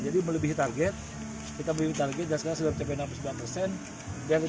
jadi melebihi target kita melebihi target dan sekarang sudah mencapai enam puluh sembilan persen